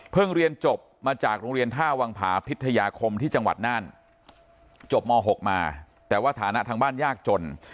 เรียนจบมาจากโรงเรียนท่าวังผาพิทยาคมที่จังหวัดน่านจบม๖มาแต่ว่าฐานะทางบ้านยากจน